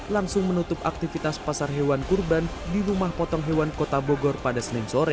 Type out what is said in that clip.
langsung menutup aktivitas pasar hewan kurban di rumah potong hewan kota bogor pada senin sore